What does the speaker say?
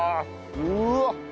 うわっ！